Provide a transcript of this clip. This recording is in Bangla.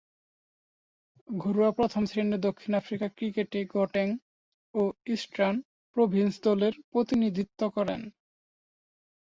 ঘরোয়া প্রথম-শ্রেণীর দক্ষিণ আফ্রিকা ক্রিকেটে গটেং ও ইস্টার্ন প্রভিন্স দলের প্রতিনিধিত্ব করেন।